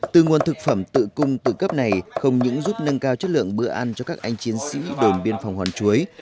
từ nguồn thực phẩm tự cung tự cấp này không những giúp nâng cao chất lượng bữa ăn cho các anh chiến sĩ đồn biên phòng hòn chuối